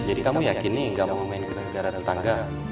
jadi kamu yakin nih gak mau main ke negara tetangga